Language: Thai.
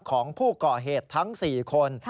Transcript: ของผู้ก่อเหตุทั้ง๔คน